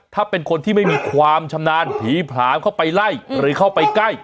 ถ้าเป็นคนที่ไม่มีความชำนาญผีผลามเข้าไปไล่หรือเข้าไปใกล้